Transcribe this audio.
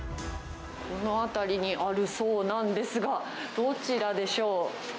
この辺りにあるそうなんですが、どちらでしょう。